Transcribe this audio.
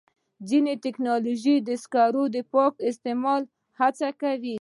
ځینې نوې ټکنالوژۍ د سکرو د پاک استعمال هڅه کوي.